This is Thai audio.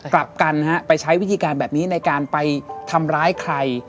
กลับกันไปใช้วิธีการแบบนี้ในการไปทำร้ายใคร